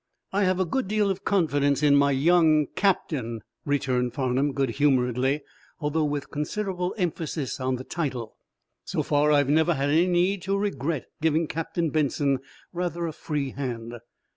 "I have a good deal of confidence in my young captain," returned Farnum, good humoredly, though with considerable emphasis on the title. "So far I have never had any need to regret giving Captain Benson rather a free hand."